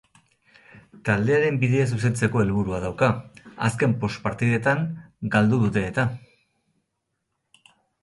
Taldearen bidea zuzentzeko helburua dauka, azken bost partietan galdu dute eta.